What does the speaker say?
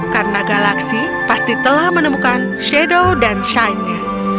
karena galaksi pasti telah menemukan shadow dan shine nya